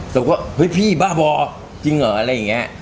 เราก็ฮึ้ยพี่บ้าบอจริงเหรออะไรอย่างเงี้ย